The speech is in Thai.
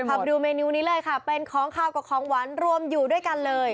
พาไปดูเมนูนี้เลยค่ะเป็นของขาวกับของหวานรวมอยู่ด้วยกันเลย